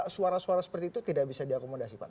suara suara seperti itu tidak bisa diakomodasi pak